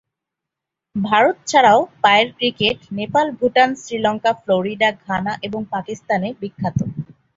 ভারত ছাড়াও পায়ের cricket Nepal, Bhutan, Sri Lanka, Florida, Ghana এবং পাকিস্তানে বিখ্যাত।